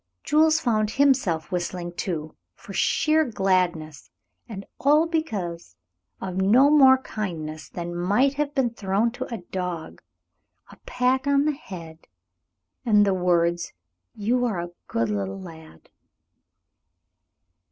Jules found himself whistling, too, for sheer gladness, and all because of no more kindness than might have been thrown to a dog; a pat on the head and the words, "You are a good little lad."